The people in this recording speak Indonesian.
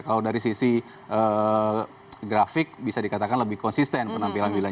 kalau dari sisi grafik bisa dikatakan lebih konsisten penampilan wilayah